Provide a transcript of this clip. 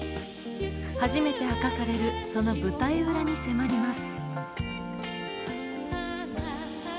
初めて明かされるその舞台裏に迫ります。